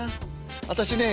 私ね